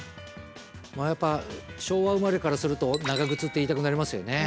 まあやっぱ昭和生まれからすると長靴って言いたくなりますよね。